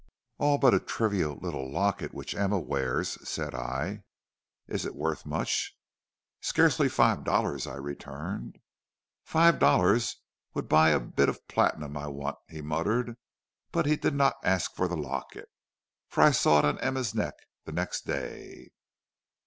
"'All but a trivial little locket which Emma wears,' said I. "'Is it worth much?' "'Scarcely five dollars,' I returned. "'Five dollars would buy the bit of platinum I want,' he muttered. But he did not ask for the locket, for I saw it on Emma's neck the next day.